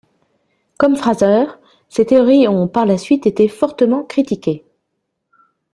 Comme Frazer, ses théories ont par la suite été fortement critiquée.